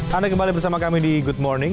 anda kembali bersama kami di good morning